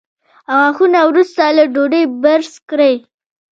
غاښونه وروسته له ډوډۍ برس کړئ